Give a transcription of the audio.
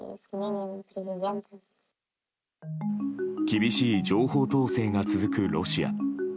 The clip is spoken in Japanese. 厳しい情報統制が続くロシア。